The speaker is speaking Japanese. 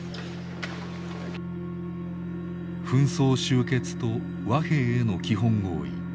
紛争終結と和平への基本合意